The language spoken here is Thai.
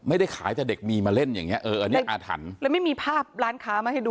ไม่ได้ขายแต่เด็กมีมาเล่นอย่างเงี้เอออันนี้อาถรรพ์เลยไม่มีภาพร้านค้ามาให้ดู